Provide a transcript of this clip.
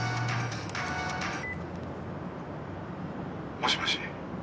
もしもし。